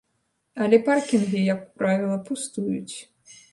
Але паркінгі, як правіла, пустуюць.